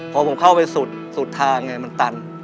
พอผมเข้าไปสุดสุดทางเนี่ยมันตัน